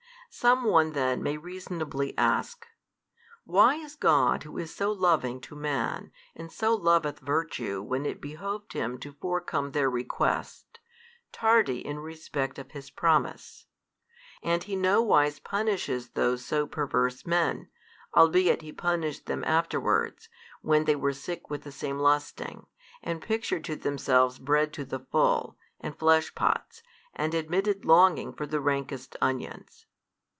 Some one then may reasonably ask, Why is God who is so Loving to man and so loveth virtue when it behoved Him to forecome their request, tardy in respect of His Promise: and He nowise punishes those so perverse men, albeit He punished them afterwards, when they were sick with the same lusting, and pictured to themselves bread to the full, and fleshpots, and admitted longing for the rankest onions.